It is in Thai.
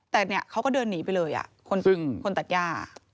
แต่เนี่ยเขาก็เดินหนีไปเลยคนตัดย่า